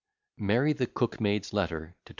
MARY THE COOK MAID'S LETTER TO DR.